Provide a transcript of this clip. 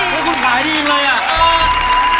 เฮ้ยคุณกลายได้เลยอ่ะ